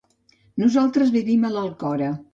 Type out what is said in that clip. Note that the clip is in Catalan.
Nosaltres vivim a l'Alcora.